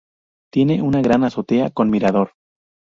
Tiene una gran azotea con mirador.